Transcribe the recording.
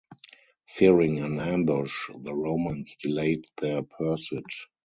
Fearing an ambush, the Romans delayed their pursuit.